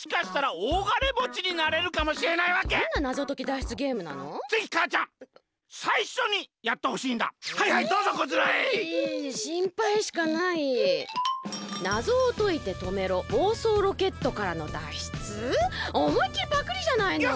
おもいっきりパクリじゃないの。